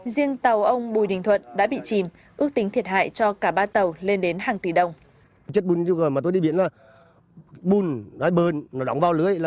riêng tàu ông bùi đình thuận đã bị chìm ước tính thiệt hại cho cả ba tàu lên đến hàng tỷ đồng